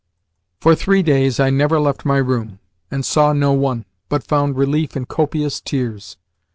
For three days I never left my room, and saw no one, but found relief in copious tears.